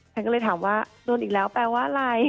ฉันก็เลยถามว่าโดนอีกแล้วแปลว่าอะไร